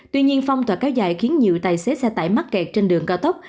tuy nhiên phong tỏa kéo dài khiến nhiều tài xế xe tải mắc kẹt trên đường cao tốc